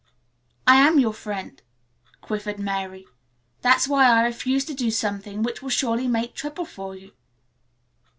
"I am your friend," quivered Mary, "that's why I refuse to do something which will surely make trouble for you."